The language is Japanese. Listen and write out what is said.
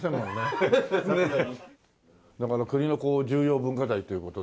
だから国の重要文化財という事で。